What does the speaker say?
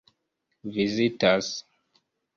vizitas